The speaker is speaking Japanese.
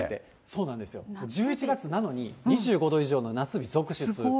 そうなんですよ、１１月なのに２５度以上の夏日続出。